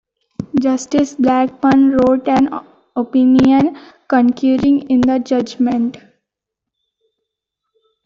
Justice Blackmun wrote an opinion concurring in the judgment.